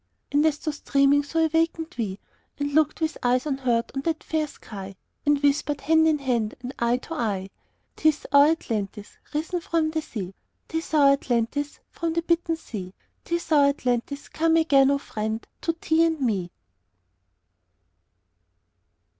"And as those dreaming so awakened we, And looked with eyes unhurt on that fair sky, And whispered, hand in hand and eye to eye, ''Tis our Atlantis, risen from the sea 'Tis our Atlantis, from the bitten sea! 'Tis our Atlantis, come again, oh, friend, to thee and me!'"